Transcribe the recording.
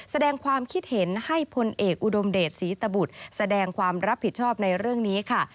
แสดงความคิดเห็นให้พลเอกอุดมเดชศรีตบุตรแสดงความรับผิดชอบในเรื่องนี้ค่ะ